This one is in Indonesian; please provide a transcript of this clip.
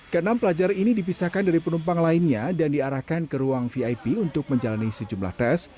ke enam pelajar ini dipisahkan dari penumpang lainnya dan diarahkan ke ruang vip untuk menjalani sejumlah tes